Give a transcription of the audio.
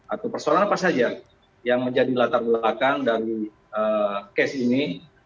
atau persoalan apa saja yang menjadi latar belakang dari kes ini